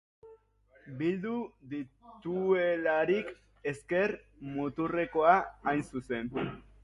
Bildu dituelarik, ezker-muturrekoa hain zuzen.